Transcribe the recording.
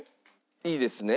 いいですね？